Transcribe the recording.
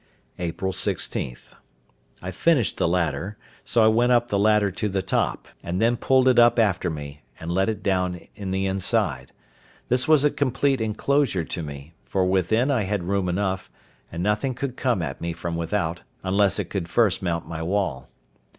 April 16.—I finished the ladder; so I went up the ladder to the top, and then pulled it up after me, and let it down in the inside. This was a complete enclosure to me; for within I had room enough, and nothing could come at me from without, unless it could first mount my wall.